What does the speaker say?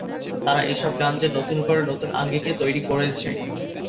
তারা এসব গান তে নতুন করে নতুন আঙ্গিকে তৈরি করেছে।